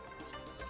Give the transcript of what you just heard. saat hijrah ke ku'ba